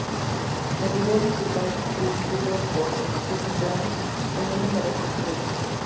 El video musical, dirigido por Spike Jonze, ganó numerosos premios.